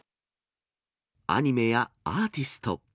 アニメやアーティスト。